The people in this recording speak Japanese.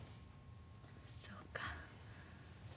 そうか。